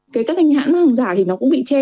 các hình hãng hàng giả thì nó cũng bị che